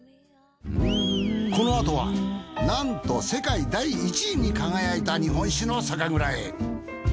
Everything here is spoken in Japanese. このあとはなんと世界第１位に輝いた日本酒の酒蔵へ。